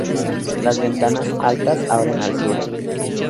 Las ventanas, altas, abren al sur.